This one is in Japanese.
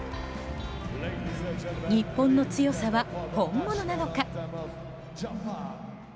日本の強さは本物なのか？